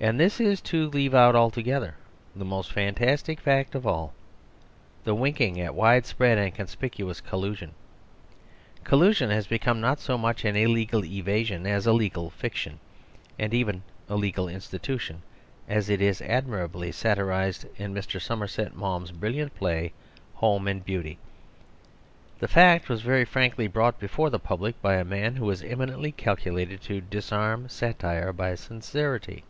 And this is to leave out altogether the most fantas tic fact of all: the winking at widespread and conspicuous collusion. Collusion has become 186 The Superstition of Divorce not so much an illegal evasion as a legal fic tion, and even a legal institution, as it is ad mirably satirised in Mr. Somerset Maugham's brilliant play of "Home and Beauty." The fact was very frankly brought before the pub lic, by a man who was eminently calculated to disarm satire by sincerity.